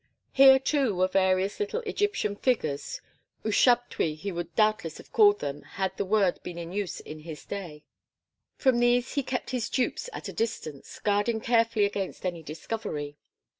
Here too were various little Egyptian figures "ushabtui" he would doubtless have called them had the word been in use in his day. From these he kept his dupes at a distance, guarding carefully against any discovery.